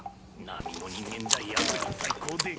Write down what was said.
並の人間じゃやつに対抗できん。